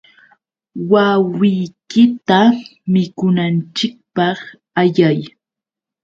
Wawiykita mikunanchikpaq ayay.